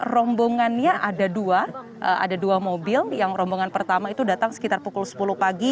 rombongannya ada dua ada dua mobil yang rombongan pertama itu datang sekitar pukul sepuluh pagi